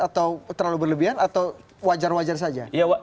atau terlalu berlebihan atau wajar wajar saja